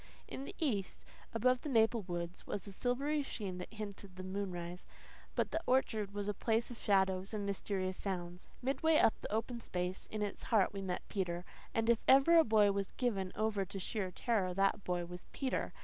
In the east, above the maple woods, was a silvery sheen that hinted the moonrise. But the orchard was a place of shadows and mysterious sounds. Midway up the open space in its heart we met Peter; and if ever a boy was given over to sheer terror that boy was Peter.